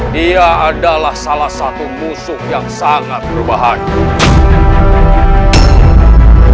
dia adalah salah satu musuh yang sangat berbahaya